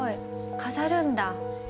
飾るんだ。